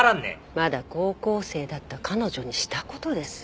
まだ高校生だった彼女にしたことです。